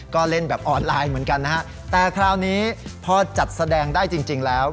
ก็เล่นแบบออนไลน์เหมือนกันนะฮะแต่คราวนี้พอจัดแสดงได้จริงแล้ว